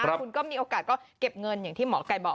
คุณก็มีโอกาสก็เก็บเงินอย่างที่หมอไก่บอก